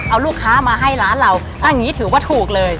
เอาลูกค้ามาให้ร้านเราอย่างนี้ถือว่าถูกเลย